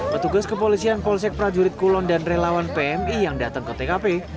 petugas kepolisian polsek prajurit kulon dan relawan pmi yang datang ke tkp